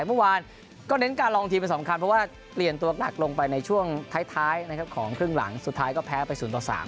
เมื่อวานก็เน้นการลองทีมไปสำคัญเพราะว่าเปลี่ยนตัวหนักลงไปในช่วงท้ายนะครับของครึ่งหลังสุดท้ายก็แพ้ไป๐ต่อ๓